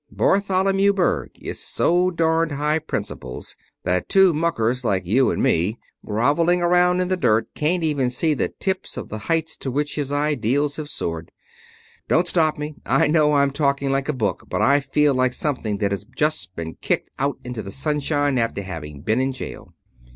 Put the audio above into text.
Bartholomew Berg is so darned high principled that two muckers like you and me, groveling around in the dirt, can't even see the tips of the heights to which his ideals have soared. Don't stop me. I know I'm talking like a book. But I feel like something that has just been kicked out into the sunshine after having been in jail."